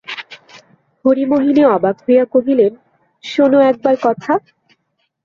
হরিমোহিনী অবাক হইয়া কহিলেন, শোনো একবার কথা!